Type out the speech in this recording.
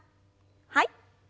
はい。